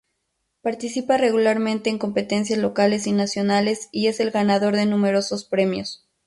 Participa regularmente en competencias locales y nacionales y es el ganador de numerosos premios.